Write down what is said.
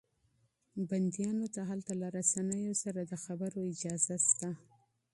بنديانو ته هلته له رسنيو سره د خبرو اجازه شته.